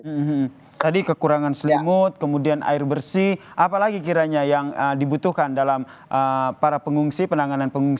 hmm tadi kekurangan selimut kemudian air bersih apalagi kiranya yang dibutuhkan dalam para pengungsi penanganan pengungsi